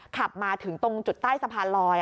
ขับมาถึงตรงจุดใต้สะพานลอย